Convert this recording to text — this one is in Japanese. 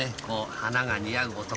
花が似合う男。